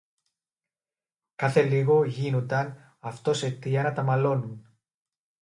Κάθε λίγο γίνουνταν αυτός αιτία να τα μαλώνουν